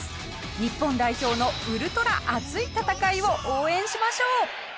日本代表のウルトラ熱い戦いを応援しましょう。